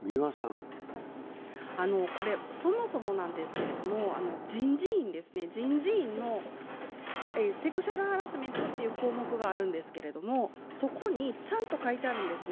そもそも人事院のセクシャルハラスメントという項目があるんですけどそこにちゃんと書いてあるんですね。